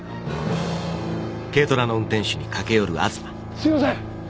すいません